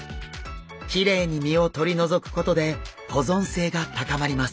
きれいに身をとり除くことで保存性が高まります。